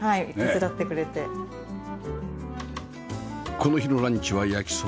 この日のランチは焼きそば